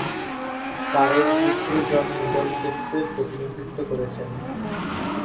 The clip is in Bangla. কারের পুত্র জন মিডলসেক্সের প্রতিনিধিত্ব করেছেন।